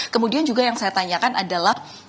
kemudian juga yang saya tanyakan adalah